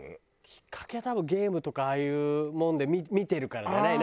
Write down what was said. きっかけは多分ゲームとかああいうもんで見てるからじゃない？